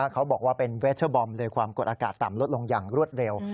เขาบอกว่าเป็นเวชเชอร์บอมเลยความกดอากาศต่ำลดลงอย่างรวดเร็ว